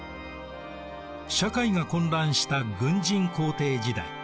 社会が混乱した軍人皇帝時代。